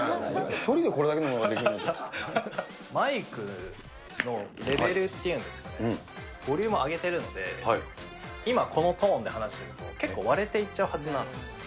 １人でこれだけのものができるんマイクのレベルっていうんですかね、ボリュームを上げてるので、今このトーンで話してると、結構割れていっちゃうはずなんですね。